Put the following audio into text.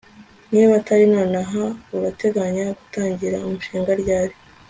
Niba atari nonaha urateganya gutangira umushinga ryari